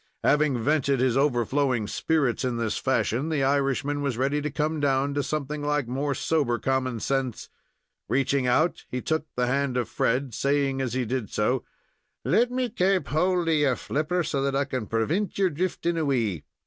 Having vented his overflowing spirits in this fashion, the Irishman was ready to come down to something like more sober common sense. Reaching out, he took the hand of Fred, saying as he did so: "Let me kaap hold of your flipper, so that I can prevint your drifting away.